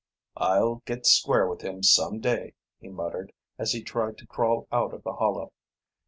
"I'll get square with him some day," he muttered, as he tried to crawl out of the hollow.